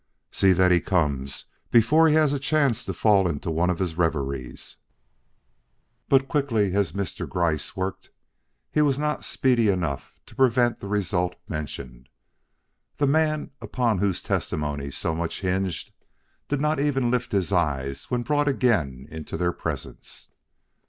"See that he comes before he has a chance to fall into one of his reveries." But quickly as Mr. Gryce worked, he was not speedy enough to prevent the result mentioned. The man upon whose testimony so much hinged did not even lift his eyes when brought again into their presence.